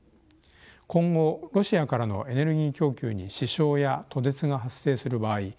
今後ロシアからのエネルギー供給に支障や途絶が発生する場合